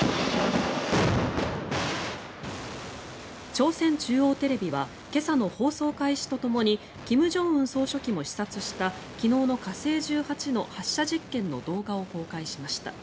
朝鮮中央テレビは今朝の放送開始とともに金正恩総書記も視察した昨日の火星１８の発射実験の動画を公開しました。